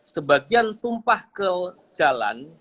sebagian tumpah ke jalan